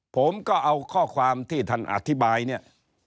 ผมก็เอาข้อความที่ท่านอธิบายเนี่ย